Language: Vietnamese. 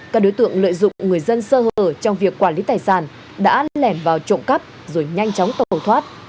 các đối tượng lợi dụng người dân sơ hở trong việc quản lý tài sản đã lẻn vào trộm cắp rồi nhanh chóng tẩu thoát